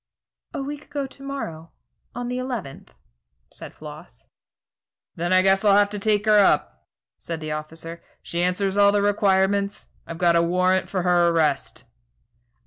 "A week ago to morrow, on the eleventh," said Floss. "Then I guess I'll have to take her up," said the officer; "she answers all the requirements. I've got a warrant for her arrest."